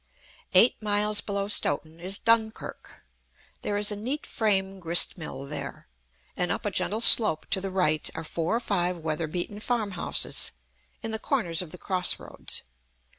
Eight miles below Stoughton is Dunkirk. There is a neat frame grist mill there; and up a gentle slope to the right are four or five weather beaten farm houses, in the corners of the cross roads.